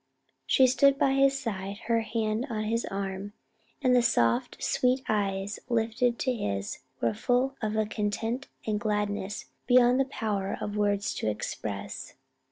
She stood by his side, her hand on his arm, and the soft sweet eyes lifted to his were full of a content and gladness beyond the power of words to express.